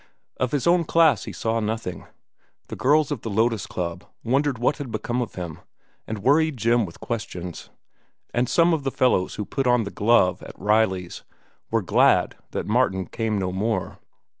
Of his own class he saw nothing. The girls of the Lotus Club wondered what had become of him and worried Jim with questions, and some of the fellows who put on the glove at Riley's were glad that Martin came no more.